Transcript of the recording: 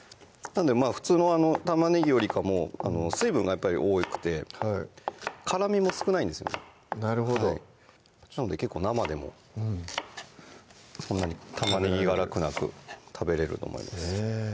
普通の玉ねぎよりかも水分がやっぱり多くて辛みも少ないんですよねなるほどなので結構生でもそんなに玉ねぎ辛くなく食べれると思います